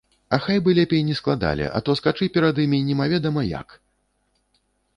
А хай бы лепей не складалі, а то скачы перад імі немаведама як!